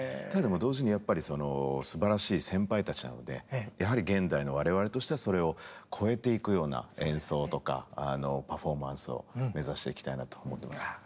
ただ同時にやっぱりすばらしい先輩たちなのでやはり現代の我々としてはそれを超えていくような演奏とかパフォーマンスを目指していきたいなと思ってます。